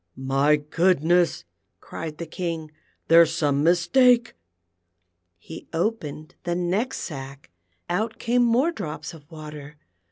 " My goodness !" cried the King, " there's some mis take." He opened the next sack; out came more drops of water.